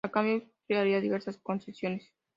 A cambio, Austria haría diversas concesiones.